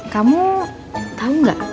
kamu tau gak